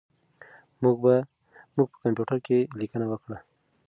موږ په کمپیوټر کې لیکنه وکړه.